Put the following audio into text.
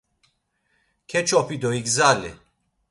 Keç̌opi do igzali.